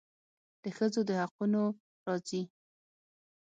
د ښځو د حقونو راځي.